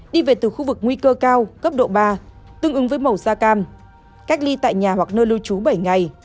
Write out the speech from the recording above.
đi về từ khu vực nguy cơ cao cấp độ ba tương ứng với màu da cam cách ly tại nhà hoặc nơi lưu trú bảy ngày